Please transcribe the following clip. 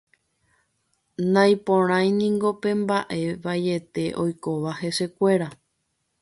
Naiporãiniko pe mbaʼe vaiete oikóva hesekuéra.